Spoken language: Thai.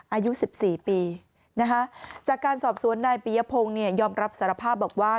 อายุ๑๔ปีนะคะจากการสอบสวนนายปียพงศ์เนี่ยยอมรับสารภาพบอกว่า